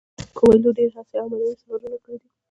کویلیو ډیرې هڅې او معنوي سفرونه کړي دي.